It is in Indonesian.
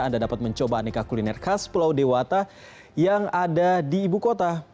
anda dapat mencoba aneka kuliner khas pulau dewata yang ada di ibu kota